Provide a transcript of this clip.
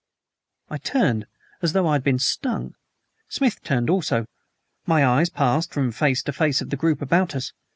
I turned as though I had been stung. Smith turned also. My eyes passed from face to face of the group about us.